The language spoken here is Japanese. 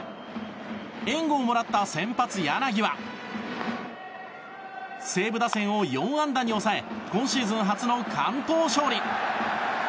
援護をもらった先発、柳は西武打線を４安打に抑え今シーズン初の完投勝利。